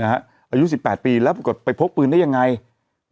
นะฮะอายุสิบแปดปีแล้วก็ไปพกปืนได้ยังไงนะฮะ